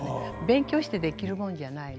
勉強してできるもんじゃない。